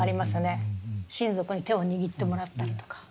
親族に手を握ってもらったりとか。